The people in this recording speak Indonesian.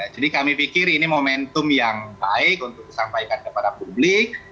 jadi kami pikir ini momentum yang baik untuk disampaikan kepada publik